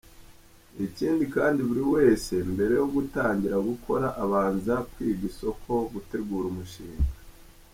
Ikindi kandi buri wese mbere yo gutangira gukora, abanza kwiga isoko, gutegura umushinga.